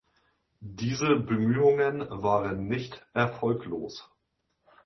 Diese Bemühungen waren nicht erfolglos.